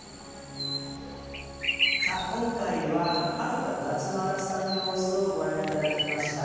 さあ今回は春と夏のアラスカの様子をご覧頂きました。